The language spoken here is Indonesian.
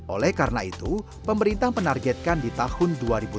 oleh karena itu pemerintah menargetkan di tahun dua ribu tujuh belas